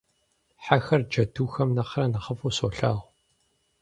Хьэхэр джэдухэм нэхърэ нэхъыфӀу солъагъу.